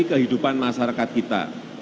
kehidupan masyarakat kita